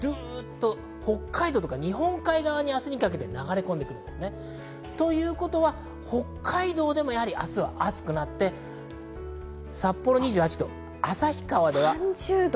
北海道から西日本にかけては、明日にかけて流れてくるんですね。ということは北海道でも明日は暑くなって、札幌は２８度、旭川では３０度。